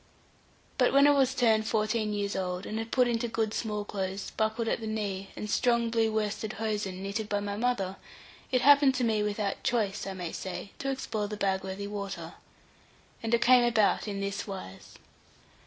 But when I was turned fourteen years old, and put into good small clothes, buckled at the knee, and strong blue worsted hosen, knitted by my mother, it happened to me without choice, I may say, to explore the Bagworthy water. And it came about in this wise.